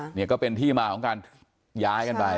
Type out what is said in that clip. เนี่ยก็เป็นที่มาของการย้ายกันไป